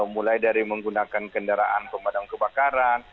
mulai dari menggunakan kendaraan pemadam kebakaran